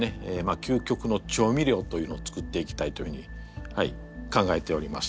究極の調味料というのを作っていきたいというふうに考えております。